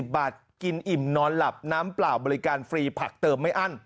๑๐บาทกินอิ่มนอนหลับน้ำเปล่าบริการฟรีผักเติมไม่อั้น